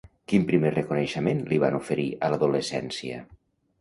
Quin primer reconeixement li van oferir a l'adolescència?